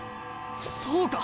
そうか！